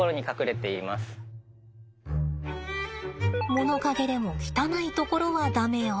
物陰でも汚いところは駄目よ。